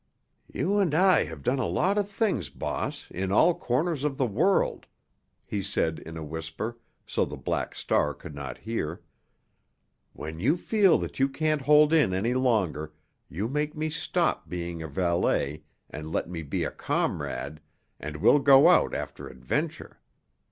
"You and I have done a lot of things, boss, in all corners of the world," he said in a whisper, so the Black Star could not hear. "When you feel that you can't hold in any longer, you make me stop being a valet, and let me be a comrade, and we go out after adventure.